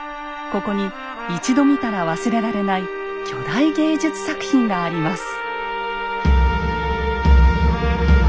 ここに一度見たら忘れられない巨大芸術作品があります。